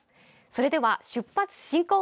それでは、出発進行！